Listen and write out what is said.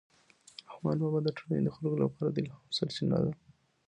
رحمان بابا د ټولنې د خلکو لپاره د الهام سرچینه و.